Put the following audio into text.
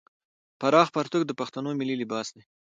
پراخ پرتوګ د پښتنو ملي لباس دی.